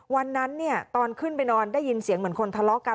วันนั้นตอนขึ้นไปนอนได้ยินเสียงเหมือนคนทะเลาะกัน